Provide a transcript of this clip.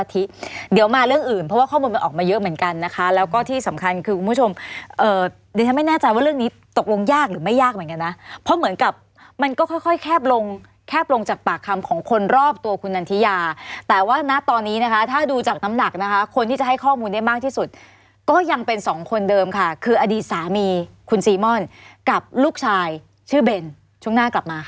ถ้าไม่แน่ใจว่าเรื่องนี้ตกลงยากหรือไม่ยากเหมือนกันนะเพราะเหมือนกับมันก็ค่อยแคบลงแคบลงจากปากคำของคนรอบตัวคุณนันทิยาแต่ว่านะตอนนี้นะคะถ้าดูจากน้ำหนักนะคะคนที่จะให้ข้อมูลได้มากที่สุดก็ยังเป็นสองคนเดิมค่ะคืออดีตสามีคุณซีม่อนกับลูกชายชื่อเบนช่วงหน้ากลับมาค่ะ